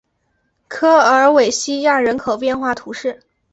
科尔韦西亚人口变化图示